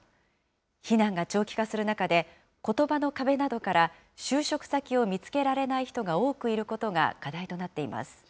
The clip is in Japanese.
避難が長期化する中で、ことばの壁などから、就職先を見つけられない人が多くいることが、課題となっています。